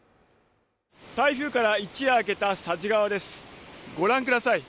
台風から一夜明けた佐治川ですご覧ください